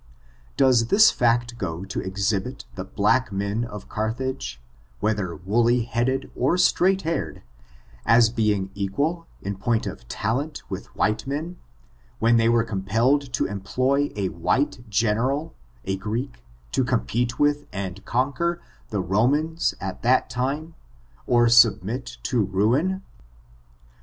Does this fact go to exhibit the black men of Car thage, whether woolly headed or straight haired, as being equal, in point of talent, with white men, when they were compelled to employ a white general, a Greek, to compete with, and conquer, the Romans at that time, or to submit to ruin?